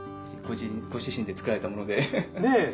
ご自身で作られたもので。ねぇ！